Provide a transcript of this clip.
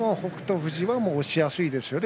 富士は押しやすいですよね